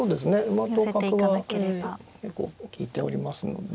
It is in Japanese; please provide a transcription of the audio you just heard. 馬と角は結構利いておりますのでね。